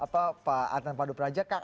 pak atan padu prajakar